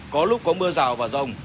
có lúc có mưa rào và rông